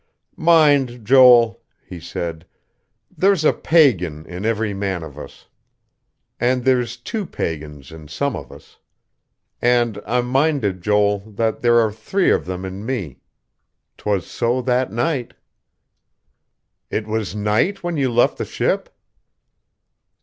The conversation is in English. "Mind, Joel," he said, "there's a pagan in every man of us. And there's two pagans in some of us. And I'm minded, Joel, that there are three of them in me. 'Twas so, that night." "It was night when you left the ship?"